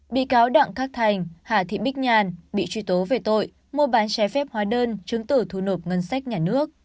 bị cáo đặng khắc thành hà thị bích nhàn bị truy tố về tội mua bán trái phép hóa đơn chứng tử thu nộp ngân sách nhà nước